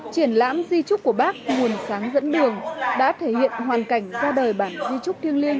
triển lãm di chúc của bắc nguồn sáng dẫn đường đã thể hiện hoàn cảnh ra đời bản di chúc thiêng liêng